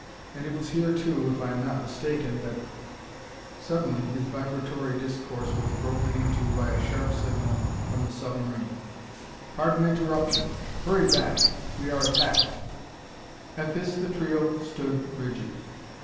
And it was here, too, if I am not mistaken, that " Suddenly his vibratory discourse was broken into by a sharp signal from the submarine: "Pardon interruption! Hurry back! We are attacked!" At this, the trio stood rigid.